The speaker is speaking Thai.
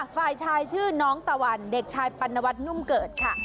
ฝ่ายชายชื่อน้องตะวันเด็กชายปัณวัฒนุ่มเกิดค่ะ